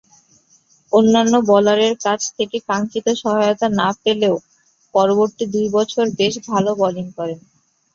অন্যান্য বোলারের কাছ থেকে কাঙ্ক্ষিত সহায়তা না পেলেও পরবর্তী দুই বছর বেশ ভালো বোলিং করেন।